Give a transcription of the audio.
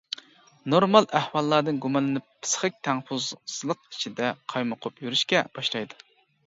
نورمال ئەھۋاللاردىن گۇمانلىنىپ پىسخىك تەڭپۇڭسىزلىق ئىچىدە قايمۇقۇپ يۈرۈشكە باشلايدۇ.